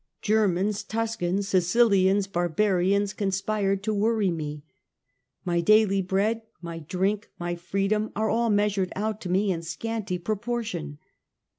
Germans, Tuscans, Sicilians, barbarians, conspired to worry me. My daily bread, my drink, my freedom, are all measured out to me in scanty proportion.